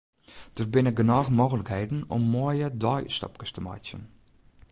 Der binne genôch mooglikheden om moaie deiútstapkes te meitsjen.